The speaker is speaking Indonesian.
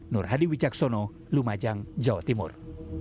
nur hadi wijaksono lumajang jawa timur